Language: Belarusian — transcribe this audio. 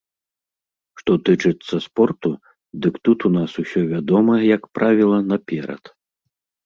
Што тычыцца спорту, дык тут у нас усё вядома, як правіла, наперад.